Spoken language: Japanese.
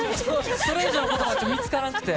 それ以上のことばが見つからなくて。